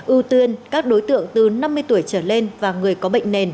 ưu tiên các đối tượng từ năm mươi tuổi trở lên và người có bệnh nền